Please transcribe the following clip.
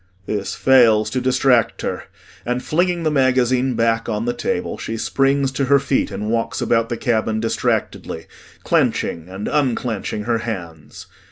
This fails to distract her, and flinging the magazine back on the table, she springs to her feet and walks about the cabin distractedly, clenching and unclenching her hands.